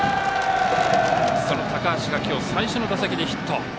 その高橋が今日最初の打席でヒット。